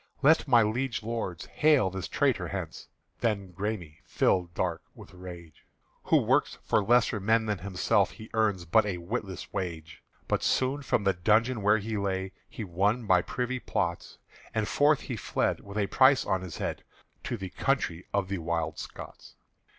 Let my liege lords hale this traitor hence!" The Græme fired dark with rage: "Who works for lesser men than himself, He earns but a witless wage!" But soon from the dungeon where he lay He won by privy plots, And forth he fled with a price on his head To the country of the Wild Scots.